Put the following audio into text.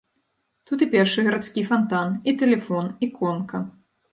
Тут і першы гарадскі фантан, і тэлефон, і конка.